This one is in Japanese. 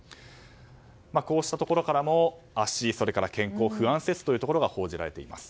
こうしたところから足、健康不安説が報じられています。